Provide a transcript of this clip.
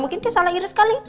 mungkin dia salah iris kali